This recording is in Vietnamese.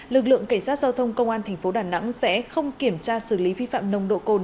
lực lượng cảnh sát giao thông công an tp đà nẵng sẽ không kiểm tra xử lý vi phạm nồng độ cồn